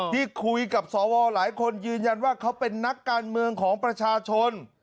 ที่คุยกับสวหลายคนยืนยันว่าเขาเป็นนักการเมืองของประชาชน